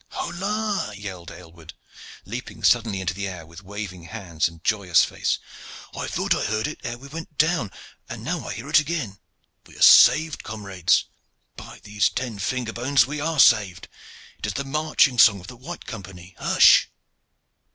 "Hola!" yelled Aylward, leaping suddenly into the air with waving hands and joyous face. "I thought I heard it ere we went down, and now I hear it again. We are saved, comrades! By these ten finger bones, we are saved! It is the marching song of the White Company. Hush!"